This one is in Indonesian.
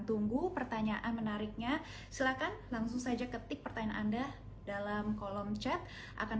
tunggu pertanyaan menariknya silakan langsung saja ketik pertanyaan anda dalam kolom chat akan